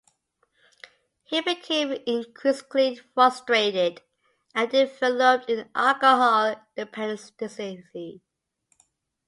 He became increasingly frustrated and developed an alcohol dependency.